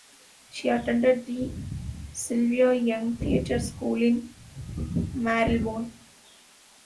She attended the Sylvia Young Theatre School in Marylebone.